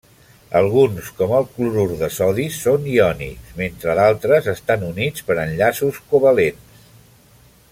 Alguns com el clorur de sodi són iònics, mentre d'altres estan units per enllaços covalents.